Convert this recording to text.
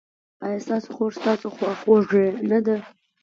ایا ستاسو خور ستاسو خواخوږې نه ده؟